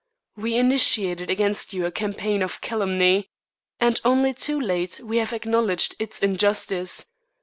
We initiated against you a campaign of calumny, and only too late we have acknowledged its injustice.